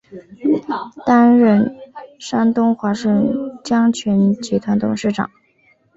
担任山东华盛江泉集团董事长。